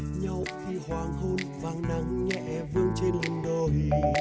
ta gặp nhau khi hoàng hôn vàng nắng nhẹ vương trên lùn đồi